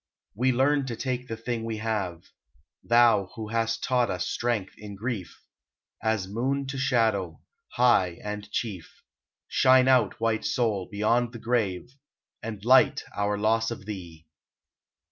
We learn to take the thing we have. Thou who hast taught us strength in grief, As moon to shadow, high and chief, Shine out, white soul, beyond the grave, And light our loss of thee!